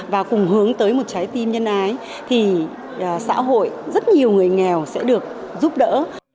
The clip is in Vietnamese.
và cùng hướng tới một trái tim nhân ái thì xã hội rất nhiều người nghèo sẽ được giúp đỡ